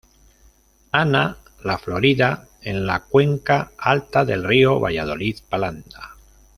Ana- La Florida, en la cuenca alta del río Valladolid-Palanda.